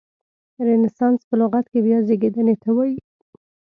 رنسانس په لغت کې بیا زیږیدنې ته وایي.